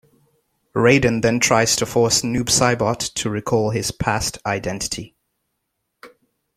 Raiden then tries to force Noob Saibot to recall his past identity.